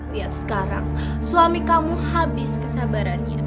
lihat sekarang suami kamu habis kesabarannya